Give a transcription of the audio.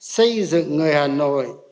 xây dựng người hà nội